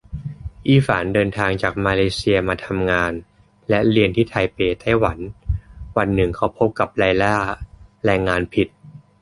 อี้ฝานเดินทางจากมาเลเซียมาทำงานและเรียนที่ไทเป ไต้หวัน วันหนึ่งเขาพบกับไลล่า แรงงานผิด